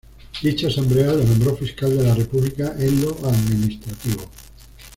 Dicha Asamblea lo nombró fiscal de la República en lo administrativo.